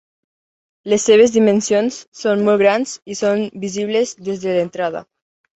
Les seves dimensions són molt grans i són visibles des de l'entrada.